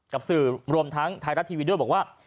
กับสื่อรวมทั้งไทยรัฐทีวีด้วยบอกว่า